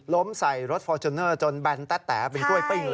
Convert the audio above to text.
ใส่รถฟอร์จูเนอร์จนแบนแต๊เป็นกล้วยปิ้งเลย